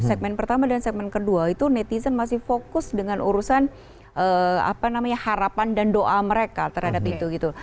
segmen pertama dan segmen kedua itu netizen masih fokus dengan urusan harapan dan doa mereka terhadap itu gitu